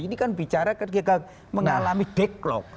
ini kan bicara mengalami backlog